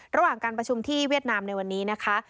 ระหว่างการประชุมที่เวียดนามในวันนี้นะคะ